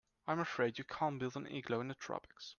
I'm afraid you can't build an igloo in the tropics.